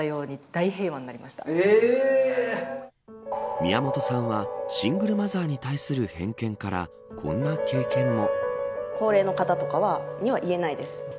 宮本さんはシングルマザーに対する偏見からこんな経験も。